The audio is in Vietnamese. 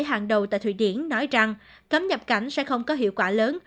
hàng đầu tại thụy điển nói rằng cấm nhập cảnh sẽ không có hiệu quả lớn